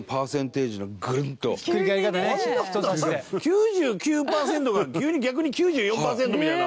９９％から急に逆に、９４％みたいな。